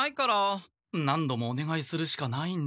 何度もおねがいするしかないんだけど。